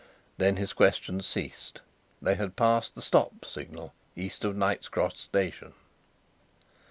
Then his questions ceased. They had passed the "stop" signal, east of Knight's Cross Station.